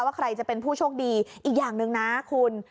ว่าใครจะเป็นผู้โชคดีอีกอย่างหนึ่งนะคุณ